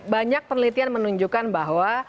banyak penelitian menunjukkan bahwa